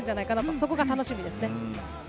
そこが楽しみです。